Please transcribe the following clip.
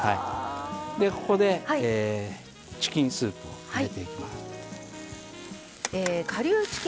ここでチキンスープを入れていきます。